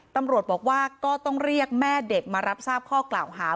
ตำรวจบอกว่าก็ต้องเรียกแม่เด็กมารับทราบข้อกล่าวหา